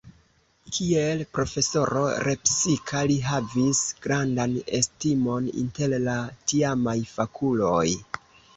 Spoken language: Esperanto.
Kiel profesoro lepsika li havis grandan estimon inter la tiamaj fakuloj.